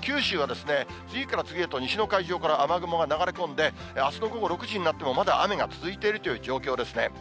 九州は次から次へと西の海上から雨雲が流れ込んで、あすの午後６時になっても、まだ雨が続いているという状況ですね。